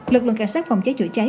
lực lượng cảnh sát phòng cháy chữa cháy